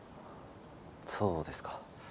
そうですか。